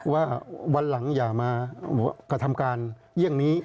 ว่าวันหลังอย่ามากระทำการเยี่ยงนี้